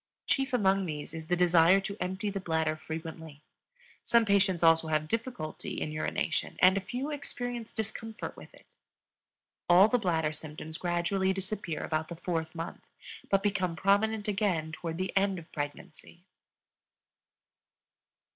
Chief among these is the desire to empty the bladder frequently; some patients also have difficulty in urination, and a few experience discomfort with it. All the bladder symptoms gradually disappear about the fourth month, but become prominent again toward the end of pregnancy.